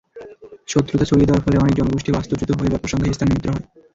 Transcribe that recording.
শত্রুতা ছড়িয়ে দেওয়ার ফলে অনেক জনগোষ্ঠী বাস্তুচ্যুত হয়ে ব্যাপক সংখ্যায় স্থানান্তরিত হয়।